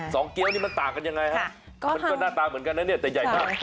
เกี้ยวนี่มันต่างกันยังไงฮะมันก็หน้าตาเหมือนกันนะเนี่ยแต่ใหญ่มาก